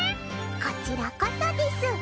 こちらこそです！